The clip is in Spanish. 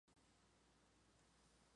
Tiene su sede en el Palacio de Westminster.